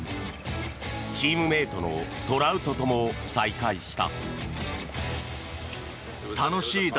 チームメートのトラウトとも再会した。